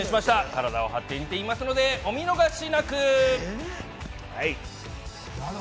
体を張って演じていますので、お見逃しなく！